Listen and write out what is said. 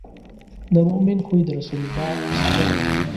د مؤمن خوی د رسول الله سنت دی.